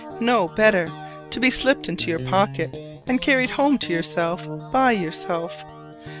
No, better! to be slipped into your pocket and carried home to yourself by yourself.